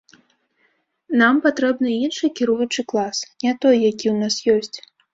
Нам патрэбны іншы кіруючы клас, не той, які ў нас ёсць.